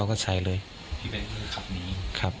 พี่โฟนครับ